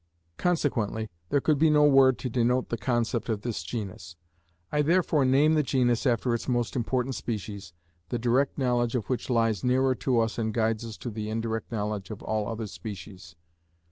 Consequently there could be no word to denote the concept of this genus. I therefore name the genus after its most important species, the direct knowledge of which lies nearer to us and guides us to the indirect knowledge of all other species.